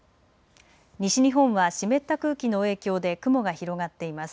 西日本は湿った空気の影響で雲が広がっています。